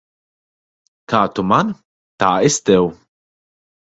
Kā tu man, tā es tev.